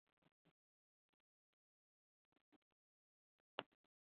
کہ اللہ تعالیٰ کی ذی شعور مخلوقات میں فرشتے اورجنات بھی شامل ہیں